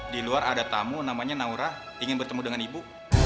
di luar ada tamu namanya naura ingin bertemu dengan ibu